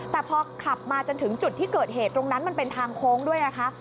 แต่พอขับมาจนถึงจุดที่เกิดเหตุตรงนั้นมันเป็นทางโค้งด้วยนะคะ